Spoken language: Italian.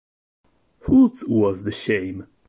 Whose Was the Shame?